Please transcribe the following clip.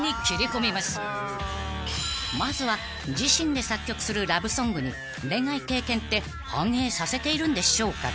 ［まずは自身で作曲するラブソングに恋愛経験って反映させているんでしょうか］